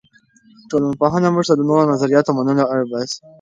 ټولنپوهنه موږ ته د نورو نظریاتو منلو ته اړ باسي.